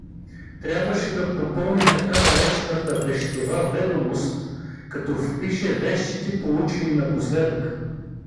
Трябваше да попълни така наречената вещева ведомост, като впише вещите, получени напоследък.